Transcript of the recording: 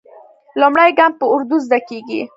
لومړی ګام په اردو زده کېږي.